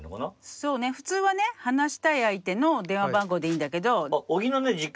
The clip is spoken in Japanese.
そうね普通はね話したい相手の電話番号でいいんだけど。